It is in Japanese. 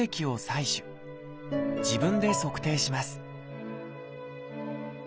自分で測定します